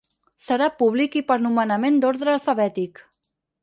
Serà públic i per nomenament d’ordre alfabètic.